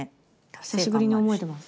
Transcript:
久しぶりに思えてます。